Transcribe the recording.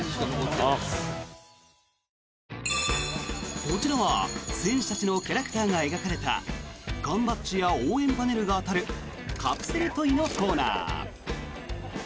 こちらは、選手たちのキャラクターが描かれた缶バッジや応援パネルが当たるカプセルトイのコーナー。